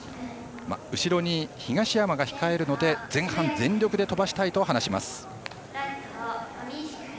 後ろに東山が控えるので前半全力で飛ばしたいと話します。